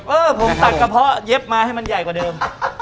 เออผมตัดกระเพาะเย็บมาให้มันใหญ่กว่าเดิม